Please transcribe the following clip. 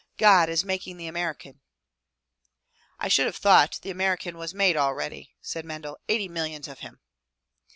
God is making the American!'' "I should have thought the American was made already,*' said Mendel, eighty millions of him.'